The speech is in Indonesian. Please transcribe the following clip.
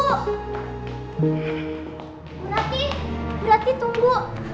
bu rati bu rati tunggu